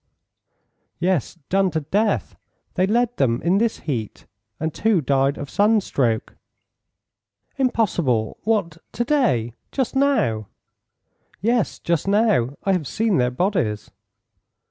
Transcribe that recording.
"Yes, done to death. They led them in this heat, and two died of sunstroke." "Impossible! What, to day? just now?" "Yes, just now. I have seen their bodies."